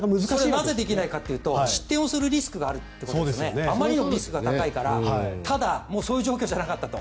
なぜできないかというと失点するリスクがあるということであまりにリスクが大きいからただもうそういう状況ではないと。